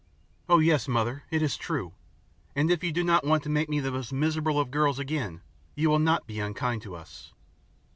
"Oh yes, Mother, it is true, and if you do not want to make me the most miserable of girls again you will not be unkind to us."